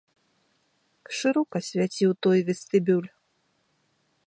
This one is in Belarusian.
Шырока свяціў той вестыбюль.